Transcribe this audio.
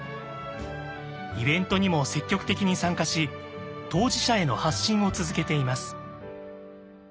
イベントにも積極的に参加し当事者への発信を続けています。